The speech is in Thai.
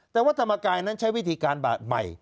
แต่วัฒนธรรมกายนั้นใช้วิธีการใหม่